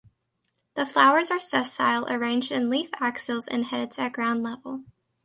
The flowers are sessile arranged in leaf axils in heads at ground level.